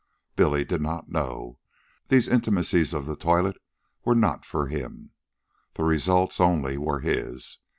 Billy did not know. These intimacies of the toilette were not for him. The results, only, were his.